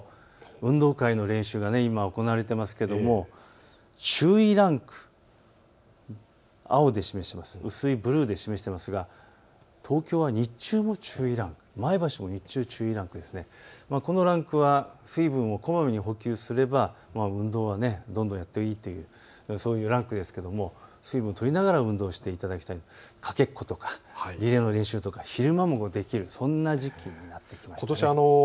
運動会の練習が今、行われていますが注意ランク青で示していますが、薄いブルーで示していますが、東京は日中も注意ランク、前橋も日中も注意ランク、水分をこまめに補給すれば運動はやっていいというランクですが水分をとりながら運動していただきたい、かけっことかリレーの練習とか昼間もできるそんな時期になってきました。